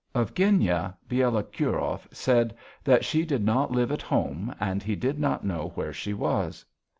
Of Genya Bielokurov said that she did not live at home and he did not know where she was.